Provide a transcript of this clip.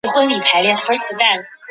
他的父亲托勒密是安提柯的弟弟。